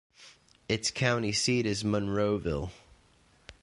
Its county seat is Monroeville.